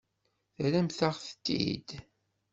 Terramt-aɣ-tent-id?